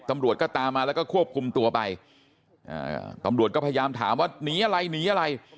ตำรวจก็ตามมาแล้วก็ควบคุมตัวไปตำรวจก็พยายามถามว่าหนีอะไรหนีอะไร